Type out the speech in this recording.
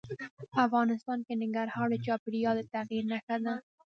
افغانستان کې ننګرهار د چاپېریال د تغیر نښه ده.